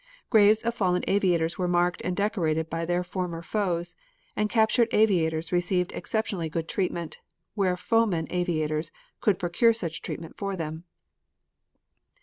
Graves of fallen aviators were marked and decorated by their former foes, and captured aviators received exceptionally good treatment, where foemen aviators could procure such treatment for them.